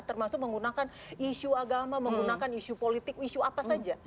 termasuk menggunakan isu agama menggunakan isu politik isu apa saja